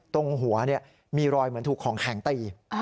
ตรงหัวมีรอยเหมือนถูกของแข็งตี